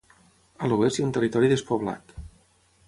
A l'oest hi ha un territori despoblat.